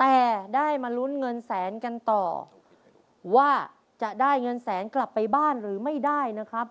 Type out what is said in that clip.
แต่ได้มาลุ้นเงินแสนกันต่อว่าจะได้เงินแสนกลับไปบ้านหรือไม่ได้นะครับ